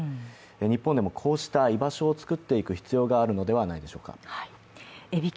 日本でもこうした居場所を作っていく必要があるのではないでしょうか。